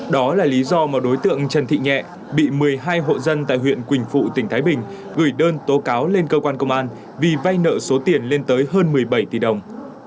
đó là lý do mà đối tượng trần thị nhẹ bị một mươi hai hộ dân tại huyện quỳnh phụ tỉnh thái bình gửi đơn tố cáo lên cơ quan công an vì vay nợ số tiền lên tới hơn một mươi bảy tỷ đồng